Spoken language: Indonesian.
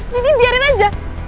jadi biarin aja